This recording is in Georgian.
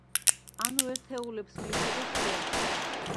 ანუ ერთეულებს მივხედოთ ჯერ.